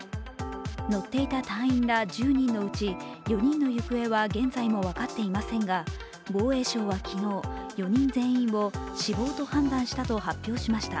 乗っていた隊員ら１０人のうち４人の行方は現在も分かっていませんが、防衛省は昨日４人全員を死亡と判断したと発表しました。